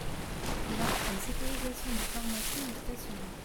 Là, la sécurisation du pharmacien était assurée.